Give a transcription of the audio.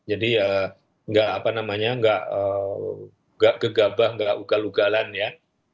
jadi nggak apa namanya nggak gegabah nggak ugal ugalan ya